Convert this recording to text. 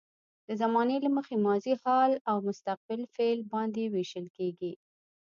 د زمانې له مخې ماضي، حال او مستقبل فعل باندې ویشل کیږي.